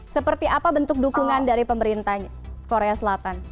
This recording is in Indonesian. seperti apa bentuk dukungan dari pemerintah korea selatan